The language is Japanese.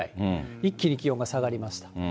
一気に気温が下がりました。